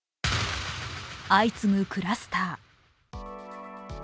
相次ぐクラスター。